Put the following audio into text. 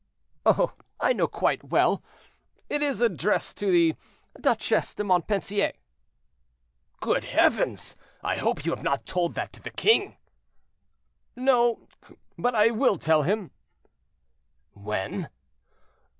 "Oh, I know quite well; it is addressed to the Duchesse de Montpensier." "Good heavens! I hope you have not told that to the king." "No; but I will tell him." "When?"